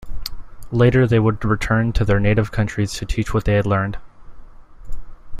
Later they would return to their native countries to teach what they had learned.